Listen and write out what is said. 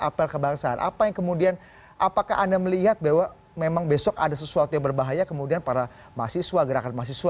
apel kebangsaan apa yang kemudian apakah anda melihat bahwa memang besok ada sesuatu yang berbahaya kemudian para mahasiswa gerakan mahasiswa